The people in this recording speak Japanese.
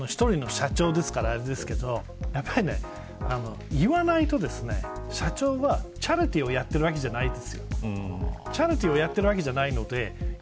アトキンソンさん１人の社長ですからあれですけど言わないと、社長はチャリティーをやっているわけではないんです。